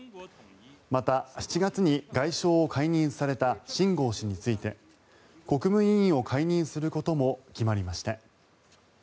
また、７月に外相を解任された秦剛氏について国務委員を解任することも決まりました。